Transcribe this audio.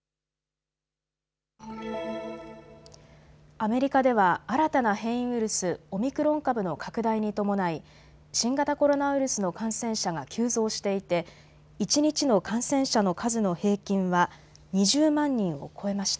アメリカでは新たな変異ウイルス、オミクロン株の拡大に伴い新型コロナウイルスの感染者が急増していて一日の感染者の数の平均は２０万人を超えました。